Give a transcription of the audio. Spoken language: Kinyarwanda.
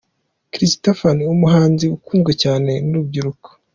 Christopher ni umuhanzi ukunzwe cyane n’urubyiruko.